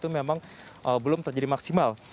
memang belum terjadi maksimal